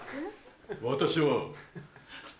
私は。